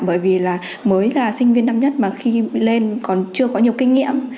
bởi vì là mới là sinh viên năm nhất mà khi lên còn chưa có nhiều kinh nghiệm